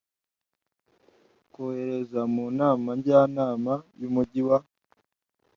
kohereza mu Nama Njyanama y Umujyi wa